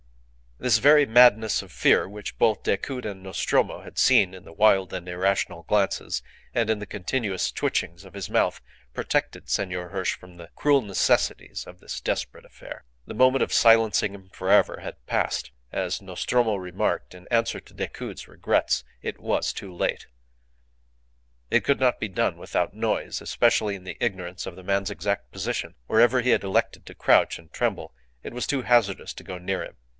This very madness of fear which both Decoud and Nostromo had seen in the wild and irrational glances, and in the continuous twitchings of his mouth, protected Senor Hirsch from the cruel necessities of this desperate affair. The moment of silencing him for ever had passed. As Nostromo remarked, in answer to Decoud's regrets, it was too late! It could not be done without noise, especially in the ignorance of the man's exact position. Wherever he had elected to crouch and tremble, it was too hazardous to go near him.